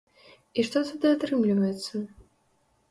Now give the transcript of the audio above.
І што тады атрымліваецца?